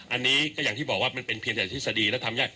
อันนี้ก็อย่างที่บอกว่ามันเป็นเพียงแต่ทฤษฎีแล้วทำยาก